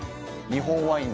日本ワイン